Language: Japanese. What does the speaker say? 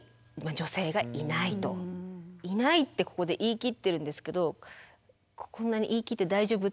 「いない」ってここで言い切ってるんですけど「こんなに言い切って大丈夫？」